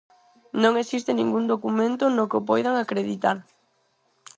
Non existe ningún documento no que o poidan acreditar.